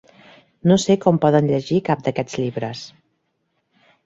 No sé com poden llegir cap d'aquests llibres.